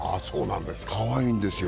かわいんですよ。